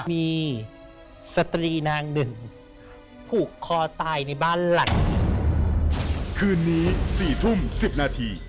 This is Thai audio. มีสตรีนางหนึ่งผูกคอตายในบ้านหลัง